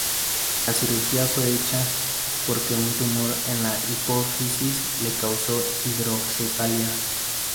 La cirugía fue hecha porque un tumor en la hipófisis le causó hidrocefalia.